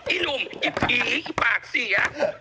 หนุ่มอีผีอีปากเสีย